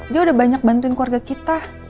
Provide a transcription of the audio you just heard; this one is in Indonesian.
dia udah banyak bantuin keluarga kita